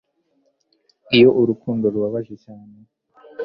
iyo urukundo rubabaje cyane